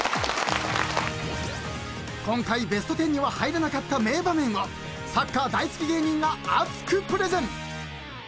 ［今回ベストテンには入らなかった名場面をサッカー大好き芸人が熱くプレゼン］